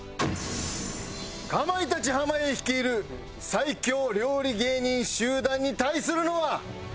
かまいたち濱家率いる最強料理芸人集団に対するのは。